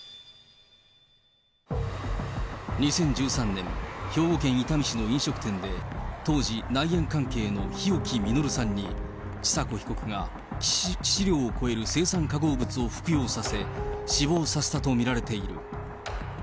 ２０１３年、兵庫県伊丹市の飲食店で、当時内縁関係の日置稔さんに、千佐子被告が致死量を超える青酸化合物を服用させ、死亡させたと見られている。